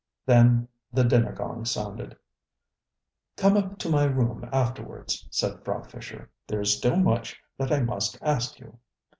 Then the dinner gong sounded. ŌĆ£Come up to my room afterwards, ŌĆØ said Frau Fischer. ŌĆ£There is still much that I must ask you.